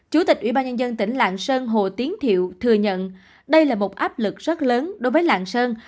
chủ tịch ủy ban nhân dân tỉnh lạng sơn hồ tiến thiệu thừa nhận đây là một áp lực rất lớn đối với lạng sơn